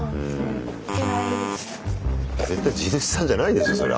絶対地主さんじゃないでしょそれ。